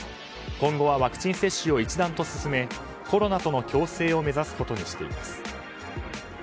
今後はワクチン接種を一段と進めコロナとの共生を目指すことにしています。